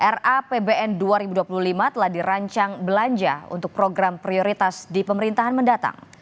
rapbn dua ribu dua puluh lima telah dirancang belanja untuk program prioritas di pemerintahan mendatang